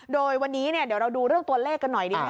โดยวันนี้เดี๋ยวเราดูเรื่องตัวเลขกันหน่อยดีไหม